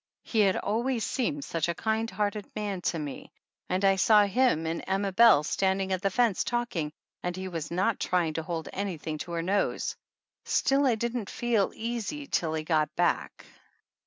He had always seemed such a kind hearted man to me, and I saw him and Emm Belle standing at the fence talking and he was not trying to hold anything to her nose, still I didn't feel easy till he got back.